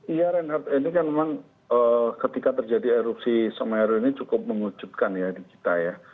iya reinhardt ini kan memang ketika terjadi erupsi semeru ini cukup mengucutkan ya di kita ya